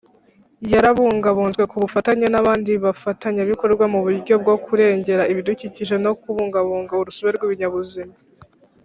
yarabungabunzwe Ku bufatanye nabandi bafatanyabikorwa mu buryo bwo kurengera ibidukikije no kubungabunga urusobe rw’ibinyabuzima.